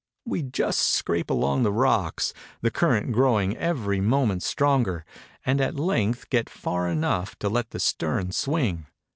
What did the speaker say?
We just scrape along the rocks, the current grow 259 EGYPT ing every moment stronger, and at length get far enough to let the stern swing.